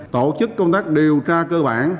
tổ chức công tác điều tra cơ bản